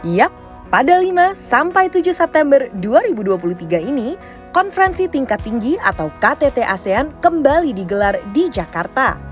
yap pada lima sampai tujuh september dua ribu dua puluh tiga ini konferensi tingkat tinggi atau ktt asean kembali digelar di jakarta